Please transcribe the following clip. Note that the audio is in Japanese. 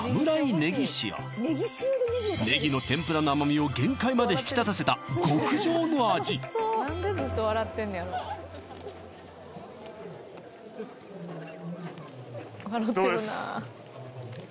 ねぎ塩ねぎの天ぷらの甘みを限界まで引き立たせた極上の味どうです？